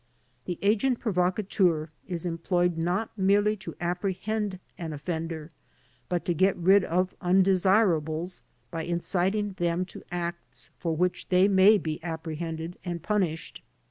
The agent provocateur is employed not merely to apprehend an offender, but to get rid of "undesirables" by inciting them to acts for which they may be apprehended and punished.